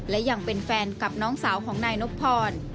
และยังเป็นแฟนกับน้องสาวของนายนบพร